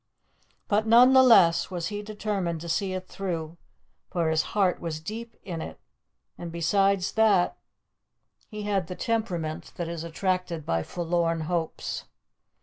But none the less was he determined to see it through, for his heart was deep in it, and besides that, he had the temperament that is attracted by forlorn hopes.